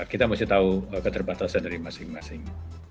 kita mesti tahu keterbatasan dari masing masing